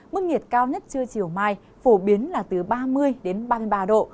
mức nhiệt cao nhất trưa chiều mai phổ biến là từ ba mươi đến ba mươi ba độ